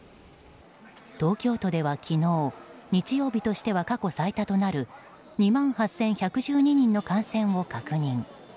東京都では、昨日日曜日としては過去最多となる２万８１１２人の感染を確認。